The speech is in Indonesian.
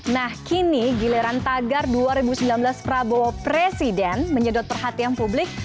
nah kini giliran tagar dua ribu sembilan belas prabowo presiden menyedot perhatian publik